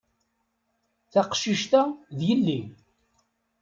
Taqcict-a, d yelli.